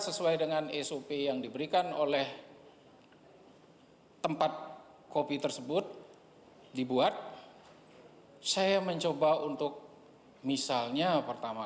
sesuai dengan sop yang diberikan oleh tempat kopi tersebut dibuat saya mencoba untuk misalnya pertama